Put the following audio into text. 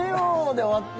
で終わって。